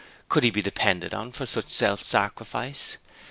Could he be depended on for such self sacrifice?